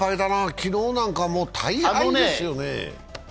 昨日なんかもう大敗ですよね。